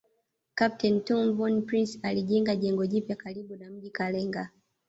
Kapteni Tom von Prince alijenga jengo jipya karibu na mji Kalenga